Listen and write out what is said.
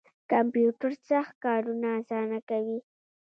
کمپیوټر سخت کارونه اسانه کوي